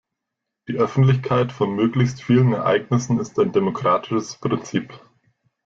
Die Öffentlichkeit von möglichst vielen Ereignissen ist ein demokratisches Prinzip.